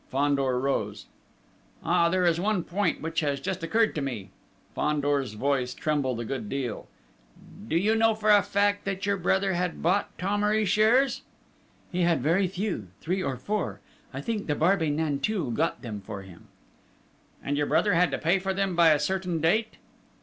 Fandor rose. "Ah, there is one point which has just occurred to me" Fandor's voice trembled a good deal "Do you know for a fact that your brother had bought Thomery shares?" "He had very few, three or four. I think the Barbey Nanteuil got them for him." "And your brother had to pay for them by a certain date?"